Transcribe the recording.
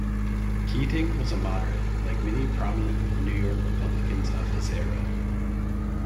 Keating was a moderate, like many prominent New York Republicans of his era.